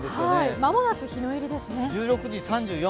間もなく日の入りですね。